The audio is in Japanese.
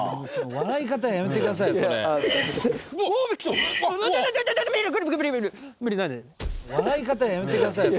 笑い方やめてくださいよ